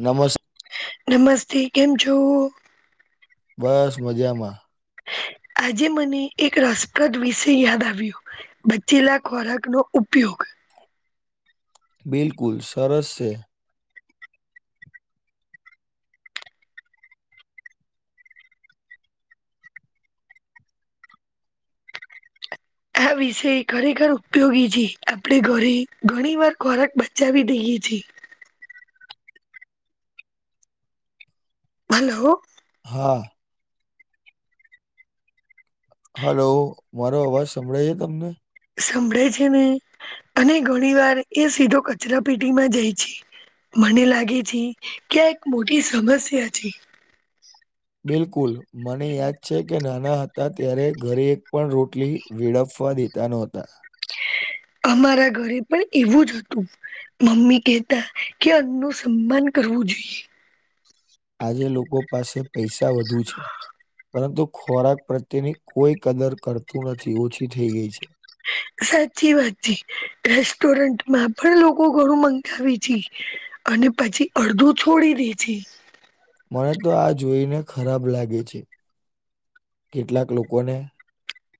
નમસ્ નમસ્તી કેમ છું. બસ મજામાં. આજે મને એક રસપ્રદ વિષ યાદ આવ્યો. બચેલા ખોરાક નો ઉપયોગ. બિલકુલ સરસ છે. આ વિષય ખરેખર ઉપયોગી છે આપણે ઘરે ઘણી વાર ખોરાક બચાવી દઈએ છીએ. હલો હા હલો મારો અવાજ સંભળાય તમને સંભળે છે ને અને ઘણી વાર એ સીધો કચરા પેટીમાં જાય છે. મને લાગે છે કે્યા એક મોટી સમસ્યા છે. બિલકુલ મને યાદ છે કે નાના હતા ત્યારે ઘરે એક પણ રોટલી વડપ્વા દેતા નહોતા. અમારા ઘરે પણ એવું જ હતું. મમ્મી કહતા કે અનનું સન્માન કરવું જોઈએ. આજે લોકો પાસે પૈસા વધુ છે. પરંતુ ખોરાક પ્રત્યેની કોઈ કદર કરતું નથી ઓછી થઈ ગઈ છે. સાચી વાત છે રેસ્ટોરન્ટમાં પણ લોકો ઘણું મંગાવી છે. અને પછી અડધું છોડી દે છે. મને તો આ જોઈને ખરાબ લાગે છે કેટલાક લોકોને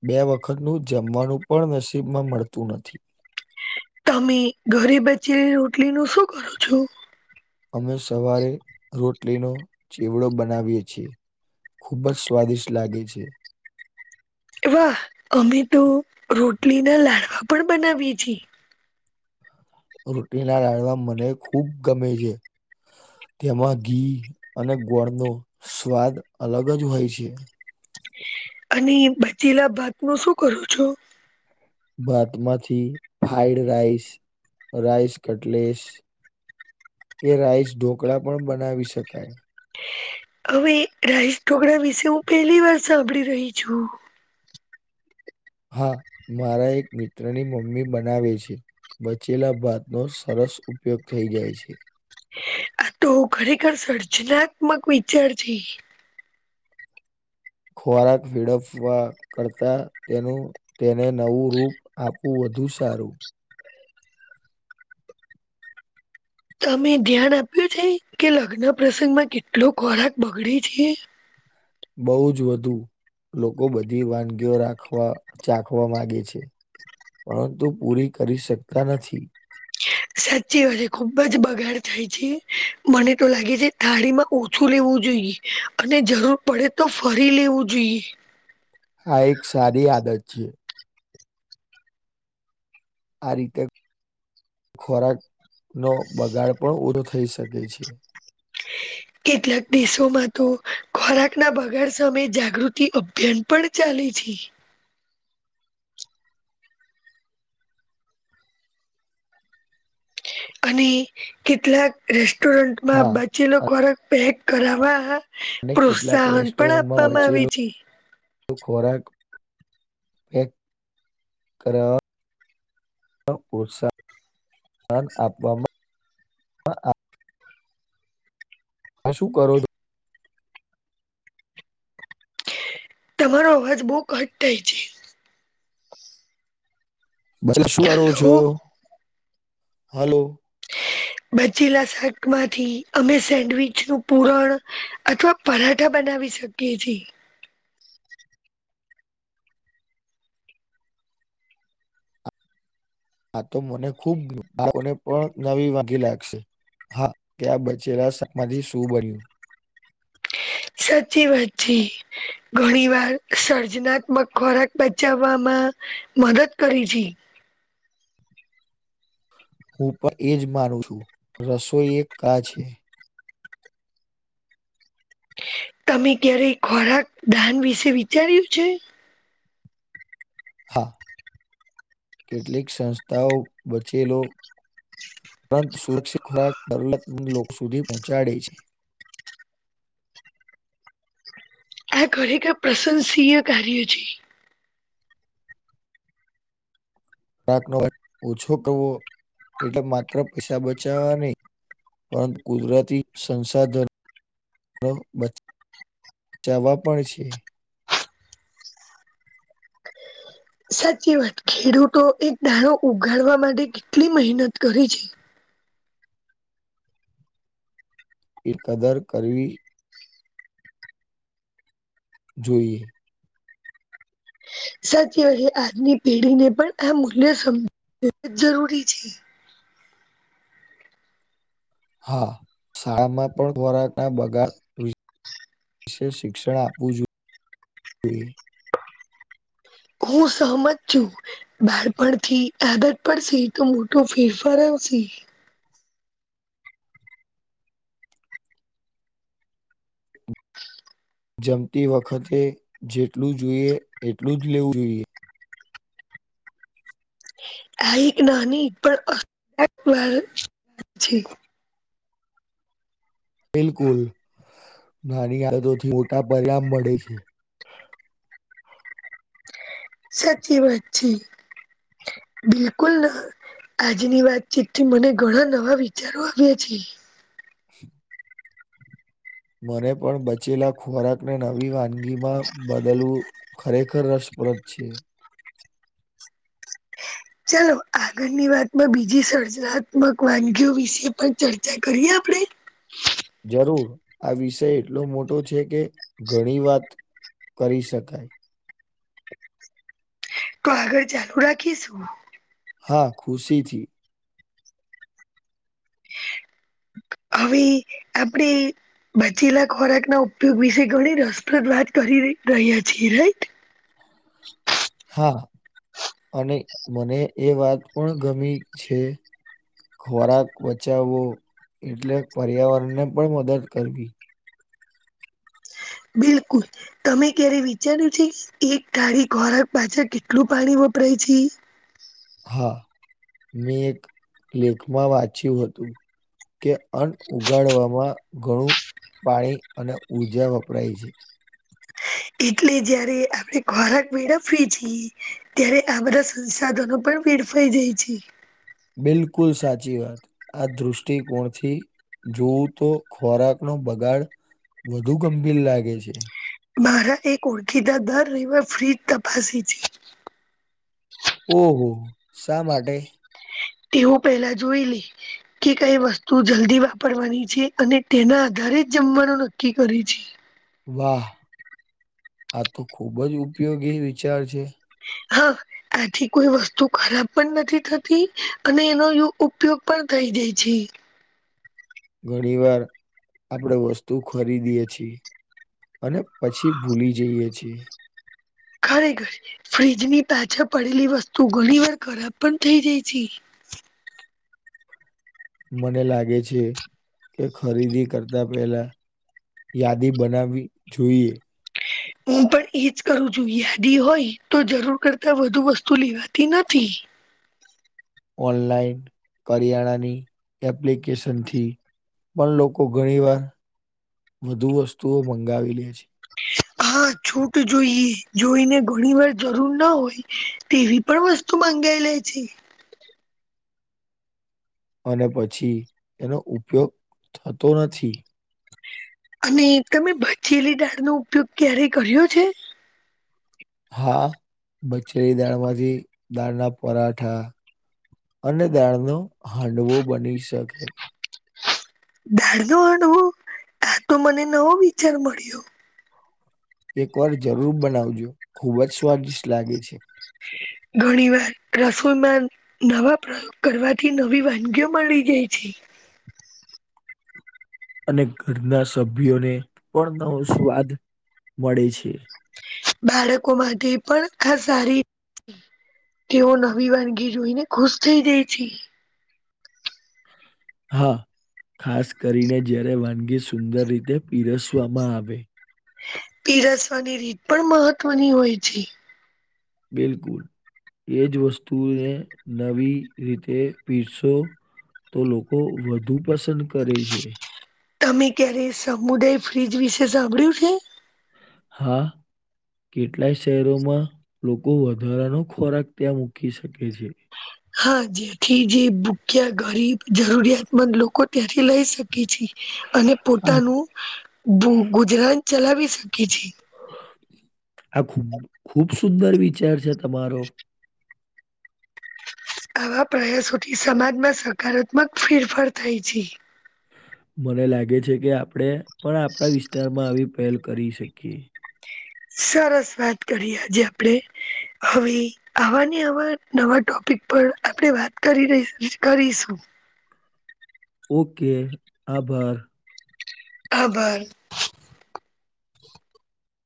બે વખતનું જમવાનું પણ નસીબમાં મળતું નથી. તમે ઘરે બચેલી રોટલીનું શું કરો છો. અમે સવારે રોટલીનોો ચીવડો બનાવીએ છીએ ખુબ જ સ્વાદિષ્ટ લાગે છે. વાહ અમે તો રોટલીના લાડવા પણ બનાવીએ છીએ. રોટી ના રાડવા મને ખૂબ ગમે છે. તેમાં ઘી અને ગોળ નો સ્વાદ અલગ જ હોય છે. અને બચેલા ભાત નું શું કરું છું. ભતમાંથી ફ્રાઈડ રાઈસ રાઈસ કટલેસ એ રાઈસ ઢોકળા, પણ બનાવી શકાય હવે રાઈસ ઢોકળા વિશે હુ, પહેલી વાર સાંભળી રહી છુ. હા, મારા એક મિત્રની મમ્મી બનાવે છે. બચેલા ભાતનોો સરસ ઉપયોગ થઈ જાય છે. આ તો હુ, ખરેખર સર્જનાત્મક વિચાર છે. ખોરાક ફેડપવા કરતા તેનુ તેને નવું રૂપ આપવું વધુ સારું તમે ધ્યાન આપ્યું છે, કે લગ્ન પ્રસંગ માં કેટલો ખોરાક બગડે છે. બહુ જ વધુ લોકો, બધી વાનગીઓ રાખવા ચાખવા માંગે છે. પરંતુ પૂરી કરી શકતા નથી. સાચી વાત છે ખુબ જ બગાડ થાય છે, મને તો લાગે છે. થાળીમાં ઓછું લેવું જોઈએ, અને જરૂર પડે તો ફરી લેવું જોઈએ આ એક સારી આદત છે. આ રીતે ખોરાક નો બગાડ પણ ઉભો થઈ શકે છે. કેટલાક દેશોમાં તો ખોરાક ના બગાડ સામે જાગૃતિ અભિયાન પણ ચાલી છે. અને કેટલાક રેસ્ટોરન્ટમાં હા, બચેલો ખોરાક પેક કરવા અને પ્રોત્સાહન પણ આપવામાં આવે છે. તો ખોરાક પેક કરાવા પ્રોત્સાહ આપવામાં આવે આ શું કરો છો. તમારો અવાજ બઉ કટ થાય છે. બચો શું કરો છો. હલો હાલો બચેલા શાકમાંથી, અમે સેન્ડવીચ નું પૂરણ અથવા પરાઠા બનાવી શકીએ કે જે હા તો મને ખુબ બાળકોને પણ નવી વાગી લાગશે હા, ક્યા બચેલા શાક માંથી શું બન્યું સાચી વાચી વાત છે. ઘણી વાર સર્જનાત્મક ખોરાક બચાવવામાં મદદ કરી છે. હુ, પણ એજ માનું છું રસોઈ એક કા છે. તમે ક્યારે ખોરાક દાન વિશે વિચાર્યું છે. હા, કેટલીક સંસ્થાઓ બચેલો પરંતુ સુરક્ષિત ખોરાક દરવલતમંદ લોકો સુધી પહોંચાડે છે. આ ઘરે એક પ્રશંસીનીય કાર્ય છે. ખોરાક નો ઓછો કરવો એટલે માત્ર પૈસા બચાવવા નહી પરંતુ કુદરાતી સંસાધનોનો બચવા જવા પણ છે. સાચી વાત ખેડૂતો એક દાડો ઉગાડવા માટે કેટલી મહેનત કરી છે. એ કદર કરવી જોઈએ સાચી વાત એ આજની પેઢીને પણ આ મૂલ્ય સમજ જ જરૂરી છે. હા શાળામાં પણ ખોરાક ના બગાડ વિશેષ શિક્ષણ આપવું જોઈએ જોઈએ હું સહમત છુ. બાળપણથી આદત પડસે તો મોટો ફેરફાર આવશે જમતી વખતે જેટલું જોઈએ એટલું જ લેવું જોઈએ આ એક નાની પણ પરફેક્ટ વાત છે. બિલકુલ નાની આદતોથી મોટા પરિણામ મળે છે. સાચી વાત છે. બિલકુલ ના આજની વાતચીત થી મને ઘણા નવા વિચારો આવ્યા છે. [inaudible] મને પણ બચેલા ખોરાક ને નવી વાનગીમાં બદલવું. ખરેખર રસપ્રદ છે. ચાલો આગળની વાતમાં બીજી સર્જનાત્મક વાનગીઓ વિશે પણ ચર્ચા કરીએ આપણે જરૂર આ વિષય એટલો મોટો છે કે ઘણી વાત કરી શકાય. તો આગળ ચાલુ રાખીશું. હા ખુશીથી હવે આપણે બચેલા ખોરાક ના ઉપયોગ વિશે ઘણી રસપ્રદ વાત કરી રહ્યા છીએ રાઈટ હા અને મને એ વાત પણ ગમી છે. ખોરાક બચાવવો એટલે પર્યાવરણને પણ મદદ કરવી. બિલકુલ. તમે ક્યારે વિચાર્યું છે એક ગાડી ખોરાક પાછા કેટલું પાણી વપરાય છે. હા મેં એક લેખમાં વાંચ્યું હતું. કે અન્ન ઉગાડવામાં ઘણું પાણી અને ઉઊર્જા વપરાય છે. એટલે જયારે આપણે ખોરાક મેળા ફ્રી છીએ ત્યારે આ બધા સંસાધનો પણ સ્ પીડફઈ જઈ છે. બિલકુલ સાચી વાત. આ દ્રષ્ટિકોણથી જોવું તો ખોરાકનોો બગાડ. વધુ ગંભીર લાગે છે. મારા એક ઓળખીતા દર રિવા ફ્ર્રીજ તપાસી છે. ઓહો શા માટે તે હું પેલા જોઈ લ કે કઈ વસ્તુ જલ્દી વાપરવાની છે અને તેના આધારે જ જમવાનું નક્કી કરે છે. વાહ આ તો ખુબ જ ઉપયોગી વિચાર છે હા આથી કોઈ વસ્તુ ખરાબ પણ નથી થતી અને એનો ઉપયોગ પણ થઈ જાય છે. ઘણી વાર આપણેે વસ્તુ ખરીદીએે છીએ અને પછી ભૂલી જઈએ છીએ. ખરેખર ફ્રીજની પાછા પડેલી વસ્તુ ઘણી વાર ખરાબ પણ થઇ જાય છે. મને લાગે છે કે ખરીદી કરતા પેલા યાદી બનાવી જોઈએ. હું પણ એજ કરું છું યાદી હોય તો જરૂર કરતા વધુ વસ્તુ લેવાતી નથી. ઓનલાઈન કરિયાણાની એપ્લિકેશનથી પણ લોકો ઘણી વાર વધુ વસ્તુઓ મંગાવી લે છે. હા છૂટ જોઈએ જોઈને ઘણી વાર જરૂર ના હોય તેવી પણ વસ્તુ મંગાવાઈ લે છે. અને પછી એનો ઉપયોગ થતો નથી. અને તમે ભચેલી દાળનો ઉપયોગ ક્યારે કર્યો છે. હા બચેલી દાળમાંથી દાળના પરાઠા અને દાળ ન હાંડવો બની શકે દાડ નો હડવો આ તો મને નવો વિચાર મળ્યો. એક વાર જરૂર બનાવજો ખુબ જ સ્વાદિષ્ટ લાગે છે. ઘણી વાર રસોઈમાં નવા પ્રયોગ કરવાથી નવી વાનગીઓ મળી જાય છે. અને ઘરના સભ્યોને પણ નવો સ્વાદ મળે છે. બાળકો માટે પણ સારી તેઓ નવી વાનગી જોઈને ખુશ થઈ જઈ છે. હા ખાસ કરીને જયારે વાનગી સુંદર રીતે પીરસવામાં આવે પીરસવાની રીત પણ મહત્વની હોય છે. બિલકુલ એજ વસ્તુને નવી રીતે પીરશો તો લોકો વધુ પસંદ કરે છે. તમે ક્યારે સમુદાય ફ્રીજ વિશે સાંભળ્યું છે. હા કેટલાય શહેરોમાં લોકો વધારાનો ખોરાક ત્યાં મૂકી શકે છે. હા જેથી જે ભૂખ્યા ગરીબ જરૂરિયાતમંદ લોકો ત્યાંથી લઈ શકે છે. અને આ પોતાનું ગુજરાન ચલાવી શકે છે. આ ખુબ ખુબ સુંદર વિચાર છે તમારો આવા પ્રયાસોથી સમાજમાં સકારાત્મક ફેરફાર થાય છે. મને લાગે છે કે આપણેે પણ આપણા વિસ્તારમાં આવી પહેલ કરી શકીએ સરસ વાત કરી આજે આપણે હવે આવાને આવા નવા ટોપિક પર આપણે વાત કરી કરીશું ઓકે આભાર ખબર